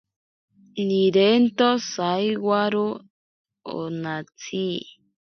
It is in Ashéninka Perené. Nirento tsaiwaro onatsi.